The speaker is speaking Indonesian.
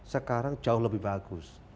sekarang jauh lebih bagus